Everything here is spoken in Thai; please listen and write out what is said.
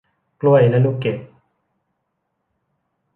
กล้วยและลูกเกด